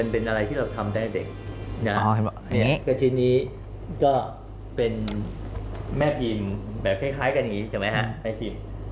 เป็นอะไรที่เราทำตั้งแต่เด็กชีวิตนี้ก็เป็นแม่พิมพ์แค่คล้ายกันอย่างนี้